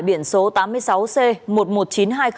biển số tám mươi sáu c một mươi một nghìn chín trăm hai mươi